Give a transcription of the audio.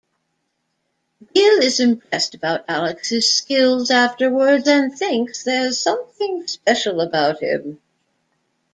Gill is impressed about Alex's skills afterwards and thinks there's something special about him.